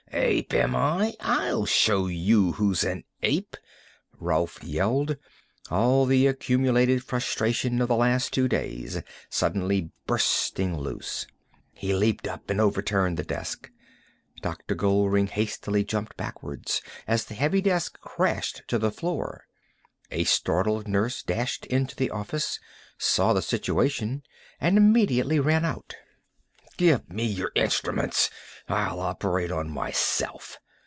Ape, am I! I'll show you who's an ape!" Rolf yelled, all the accumulated frustration of the last two days suddenly bursting loose. He leaped up and overturned the desk. Dr. Goldring hastily jumped backwards as the heavy desk crashed to the floor. A startled nurse dashed into the office, saw the situation, and immediately ran out. "Give me your instruments! I'll operate on myself!"